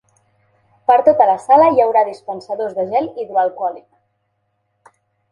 Per tota la sala hi haurà dispensadors de gel hidroalcohòlic.